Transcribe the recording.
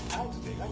はい。